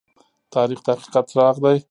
تاریخ د حقیقت څراغ دى.